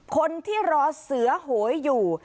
คนที่รอเสือโหยอยู่